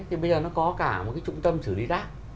thì bây giờ nó có cả một cái trung tâm xử lý rác